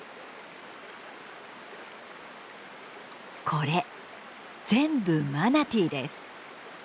これ全部マナティーです。